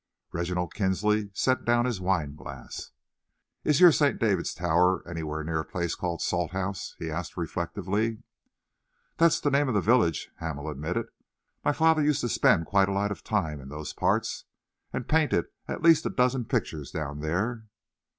Reginald Kinsley set down his wine glass. "Is your St. David's Tower anywhere near a place called Salthouse?" he asked reflectively. "That's the name of the village," Hamel admitted. "My father used to spend quite a lot of time in those parts, and painted at least a dozen pictures down there."